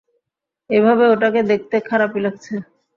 এভাবে ওটাকে দেখতে খারাপই লাগছে!